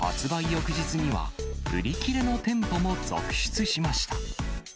翌日には、売り切れの店舗も続出しました。